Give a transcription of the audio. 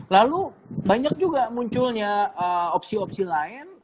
lalu banyak juga munculnya opsi opsi lain